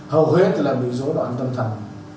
hầu hết là bị rối loạn tâm thần